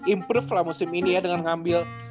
improve lah musim ini ya dengan ngambil